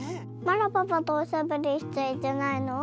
まだパパとおしゃべりしちゃいけないの？